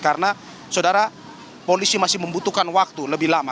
karena saudara polisi masih membutuhkan waktu lebih lama